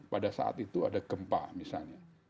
pada saat itu ada gempa misalnya